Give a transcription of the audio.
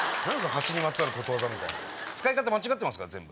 蜂にまつわることわざ使い方間違ってますから全部。